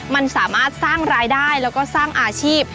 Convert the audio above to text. มันสามารถสร้างรายได้แล้วก็สร้างอาชีพ